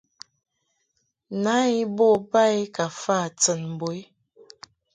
Na I bo ba I ka fa tɨn mbo i.